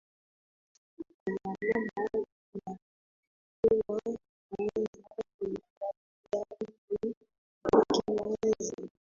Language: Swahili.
Aliinama na kuichukua akaanza kuiangalia huku akiwaza